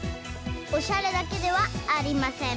おしゃれだけではありません。